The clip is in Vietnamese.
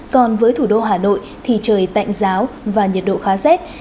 còn với thủ đô hà nội thì trời tạnh giáo và nhiệt độ khá rét